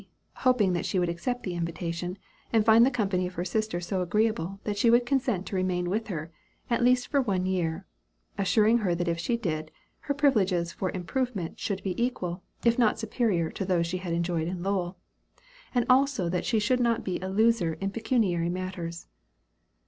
hoping that she would accept the invitation, and find the company of her sister so agreeable that she would consent to remain with her, at least for one year; assuring her that if she did, her privileges for improvement should be equal, if not superior to those she had enjoyed in Lowell; and also that she should not be a loser in pecuniary matters.